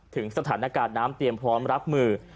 ถึงสถานการณ์น้ำเตรียมพร้อมรับมือ